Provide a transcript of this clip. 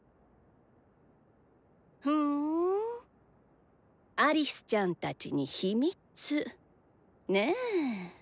ふぅんアリスちゃんたちに秘密ねぇ。